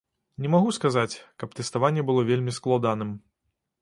Не магу сказаць, каб тэставанне было вельмі складаным.